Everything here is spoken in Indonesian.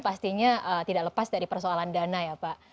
pastinya tidak lepas dari persoalan dana ya pak